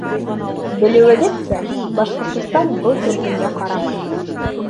Белеүегеҙсә, Башҡортостан был төркөмгә ҡарамай.